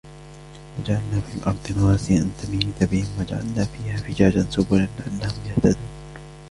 وجعلنا في الأرض رواسي أن تميد بهم وجعلنا فيها فجاجا سبلا لعلهم يهتدون